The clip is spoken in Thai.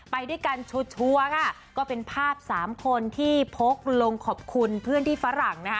ไปด้วยกันชัวร์ค่ะก็เป็นภาพสามคนที่พกลงขอบคุณเพื่อนที่ฝรั่งนะคะ